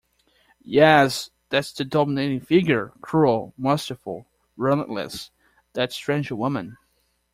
Yes, there's the dominating figure — cruel, masterful, relentless — that strange woman.